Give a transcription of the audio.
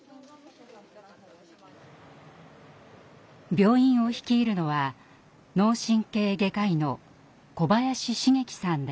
病院を率いるのは脳神経外科医の小林繁樹さんです。